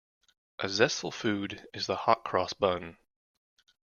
A zestful food is the hot-cross bun.